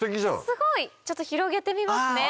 すごいちょっと広げてみますね。